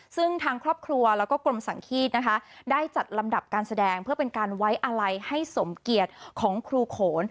ซึ่งทางครอบครัวแล้วก็กรมสังฆีตนะคะได้จัดลำดับการแสดงเพื่อเป็นการไว้อะไรให้สมเกียจของครูโขน